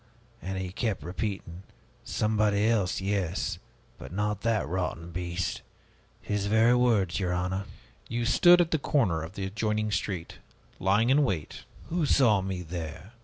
And he kept repeating, 'Somebody else, yes, but not that rotten beast!' His very words, your honor." "You stood at the corner of the adjoining street, lying in wait." "Who saw me there?